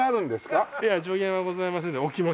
いや上限はございませんでお気持ち。